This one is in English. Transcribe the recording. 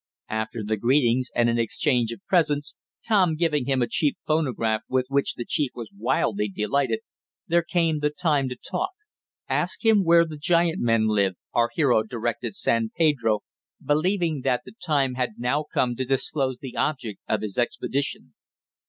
After the greetings, and an exchange of presents, Tom giving him a cheap phonograph with which the chief was wildly delighted, there came the time to talk. "Ask him where the giant men live?" our hero directed San Pedro, believing that the time had now come to disclose the object of his expedition.